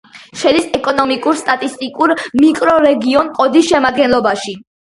შედის ეკონომიკურ-სტატისტიკურ მიკრორეგიონ კოდოს შემადგენლობაში.